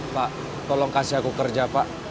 pak tolong kasih aku kerja pak